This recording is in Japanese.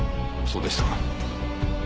そうでしたか。